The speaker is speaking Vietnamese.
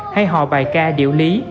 hay hò bài ca điệu lý